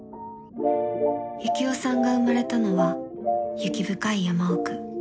ユキオさんが生まれたのは雪深い山奥。